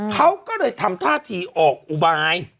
เขาก็เลยทำธาธิอกุบาย